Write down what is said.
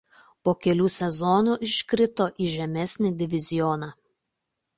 Po kelių sezonų iškrito į žemesnį divizioną.